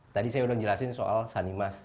tadi saya udah jelasin soal sanimas